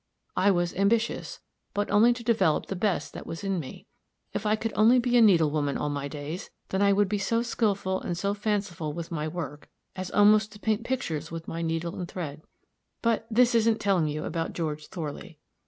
I was ambitious, but only to develop the best that was in me. If I could only be a needle woman all my days, then I would be so skillful and so fanciful with my work, as almost to paint pictures with my needle and thread. But this isn't telling you about George Thorley.